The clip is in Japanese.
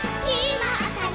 まったね！